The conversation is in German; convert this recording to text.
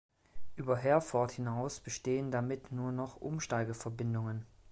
Über Herford hinaus bestehen damit nur noch Umsteigeverbindungen.